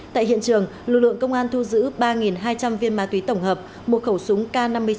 tại hiện trường lực lượng công an thu giữ ba hai trăm linh viên ma túy tổng hợp một khẩu súng k năm mươi chín